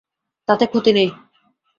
তাতে ক্ষতি নেই।